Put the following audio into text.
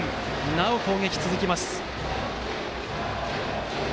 なお攻撃が続きます。